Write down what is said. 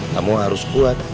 kamu harus kuat